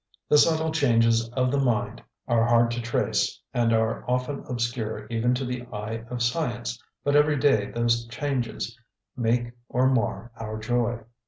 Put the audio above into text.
The subtle changes of the mind are hard to trace and are often obscure even to the eye of science; but every day those changes make or mar our joy.